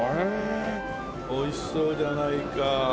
美味しそうじゃないか。